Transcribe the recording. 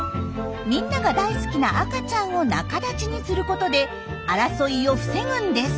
みんなが大好きな赤ちゃんを仲立ちにすることで争いを防ぐんです。